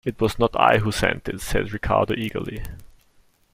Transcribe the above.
"It was not I who sent it," said Ricardo eagerly.